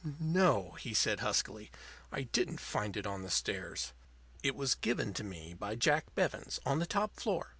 "No," he said huskily, "I didn't find it on the stairs. It was given to me by Jack Bevens, on the top floor.